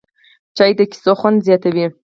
چای د کیسو خوند زیاتوي